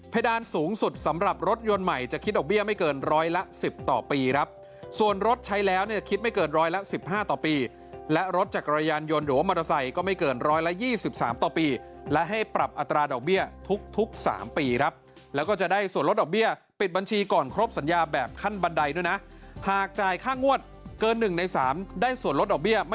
เพดานสูงสุดสำหรับรถยนต์ใหม่จะคิดออกเบี้ยไม่เกินร้อยละ๑๐ต่อปีครับส่วนรถใช้แล้วเนี่ยคิดไม่เกินร้อยละ๑๕ต่อปีและรถจักรยานยนต์หรือว่ามอเตอร์ไซค์ก็ไม่เกินร้อยละ๒๓ต่อปีและให้ปรับอัตราดอกเบี้ยทุก๓ปีครับแล้วก็จะได้ส่วนรถออกเบี้ยปิดบัญชีก่อนครบสัญญาแบบขั้นบันไดด